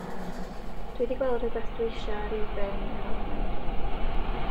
Dw i 'di gweld rhywbeth dw i eisiau ar ebay yn yr Almaen.